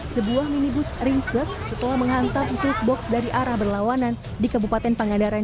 sebuah minibus ringsek setelah menghantam truk box dari arah berlawanan di kabupaten pangandaran